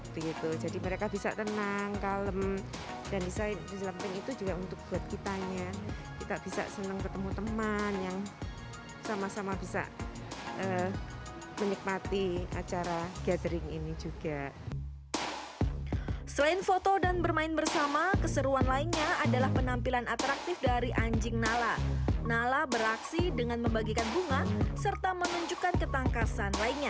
kekuatannya gitu jadi mereka bisa tenang kalem dan bisa di dalamnya itu juga untuk buat kitanya kita bisa senang ketemu teman yang sama sama bisa menikmati acara gathering ini juga selain foto dan bermain bersama keseruan lainnya adalah penampilan atraktif dari anjing nala nala beraksi dengan membagikan bunga serta menunjukkan ketangkasan lainnya